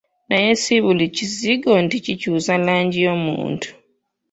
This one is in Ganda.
Naye si buli kizigo nti kikyusa langi y'omuntu.